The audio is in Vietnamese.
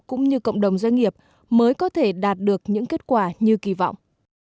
cũng như cộng đồng doanh nghiệp mới có thể đạt được những kết quả như kỳ vọng